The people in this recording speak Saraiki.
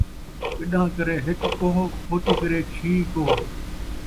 گݙان٘ہہ کرے ہک کوہ ، کھوتی کرے چھی کوہ